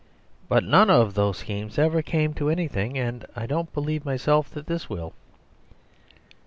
But none of those schemes ever came to anything; and I don't believe myself that this will."